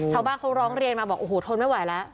เขาร้องเรียนมาบอกโอ้โหทนไม่ไหวแล้ว